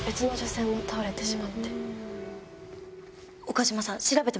岡島さん。